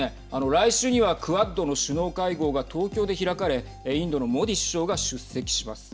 来週にはクアッドの首脳会合が東京で開かれインドのモディ首相が出席します。